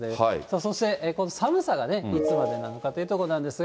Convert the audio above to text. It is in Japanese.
そしてこの寒さがいつまでなのかというところなんですが。